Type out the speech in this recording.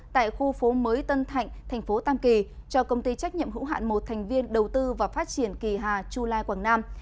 tại khu phố mới tân thạnh thành phố tam kỳ cho công ty trách nhiệm hữu hạn một thành viên đầu tư và phát triển kỳ hà chu lai quảng nam